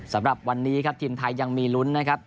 สำหรับวันนี้ครับทีมไทยยังมีลุ้นนะครับ